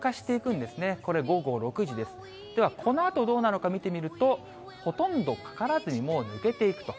では、このあとどうなのか、見てみると、ほとんどかからずに、もう抜けていくと。